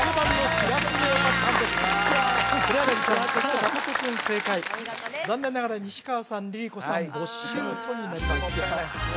黒柳さんそして真君正解残念ながら西川さんＬｉＬｉＣｏさんボッシュートになりますあうわ